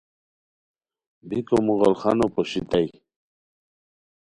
بیکو مغل خانو پوشیتائے